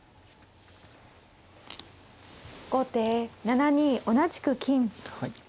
後手７二同じく金。